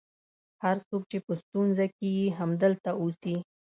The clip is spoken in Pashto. هر څوک چې په ستونزه کې یې همدلته اوسي.